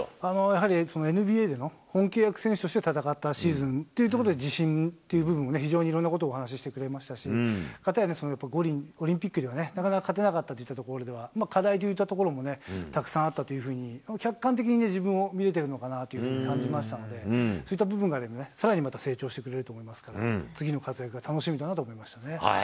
やはり、ＮＢＡでの本契約選手として戦ったシーズンというところで、自信という部分もね、非常にいろんなことお話ししてくれましたし、片やオリンピックではね、なかなか勝てなかったといったところでは、課題といったところも、たくさんあったというふうに、客観的に自分を見れてるのかなと感じましたので、そういった部分からもね、さらにまた成長してくれると思いますから、次の活躍が楽しみだなと思いましたね。